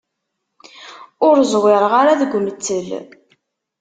Ur ẓwireɣ ara deg umettel.